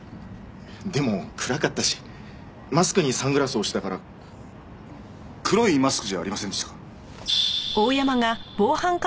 でも暗かったしマスクにサングラスをしてたからこうはっきりとは。黒いマスクじゃありませんでしたか？